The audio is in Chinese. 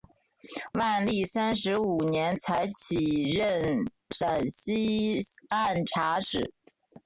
万历三十五年才起任陕西按察使。